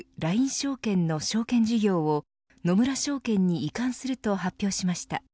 証券の証券事業を野村証券に移管すると発表しました。